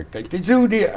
cái dư địa